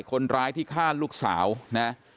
คนร้ายที่ฆ่าลูกสาวนะ